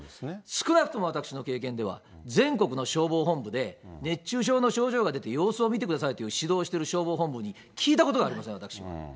少なくとも私の経験では、全国の消防本部で熱中症の症状が出て様子を見てくださいという指導している消防本部、聞いたことがありません、私は。